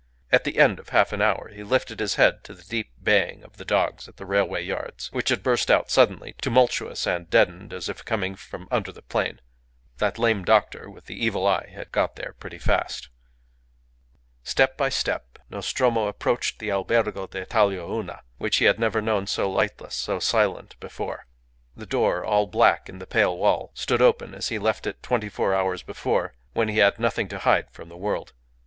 At the end of half an hour he lifted his head to the deep baying of the dogs at the railway yards, which had burst out suddenly, tumultuous and deadened as if coming from under the plain. That lame doctor with the evil eye had got there pretty fast. Step by step Nostromo approached the Albergo d'Italia Una, which he had never known so lightless, so silent, before. The door, all black in the pale wall, stood open as he had left it twenty four hours before, when he had nothing to hide from the world.